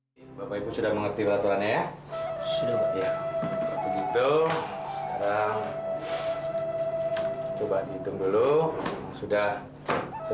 sampai jumpa di video selanjutnya